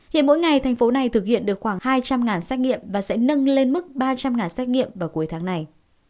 hiện mỗi ngày thành phố này thực hiện được khoảng hai trăm linh xét nghiệm và sẽ nâng lên mức ba trăm linh xét nghiệm vào cuối tháng này